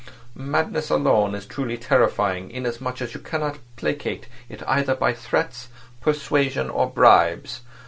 Madness alone is truly terrifying, inasmuch as you cannot placate it either by threats, persuasion, or bribes.